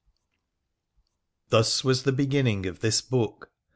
' Thus Avas the beginning of this boob.